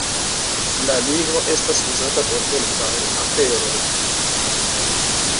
La ligno estas uzata por multaj aferoj.